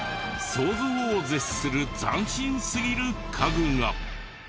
想像を絶する斬新すぎる家具が。